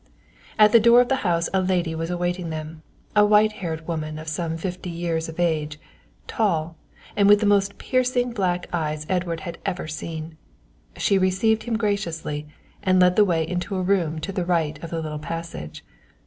At the door of the house a lady was awaiting them, a white haired woman of some fifty years of age, tall, and with the most piercing black eyes Edward had ever seen. She received him graciously, and led the way into a room to the right of the little passage.